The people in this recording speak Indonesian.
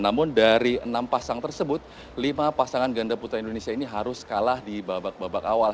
namun dari enam pasang tersebut lima pasangan ganda putra indonesia ini harus kalah di babak babak awal